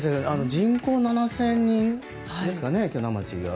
人口７０００人ですかね鋸南町は。